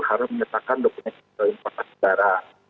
harus mengetahkan dokumen kesehatan darah